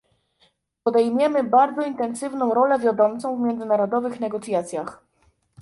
Obejmiemy bardzo intensywną rolę wiodącą w międzynarodowych negocjacjach